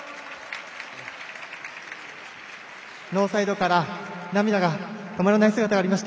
ノーサイドから涙が止まらない姿がありました。